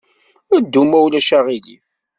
Ddu, ma ulac aɣilif!